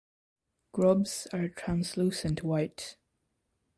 Grubs are translucent white.